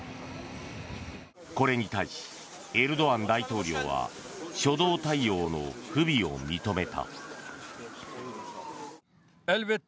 これに対しエルドアン大統領は初動対応の不備を認めた。